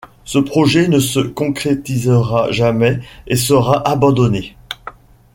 Ce projet ne se concrétisera jamais et sera abandonné.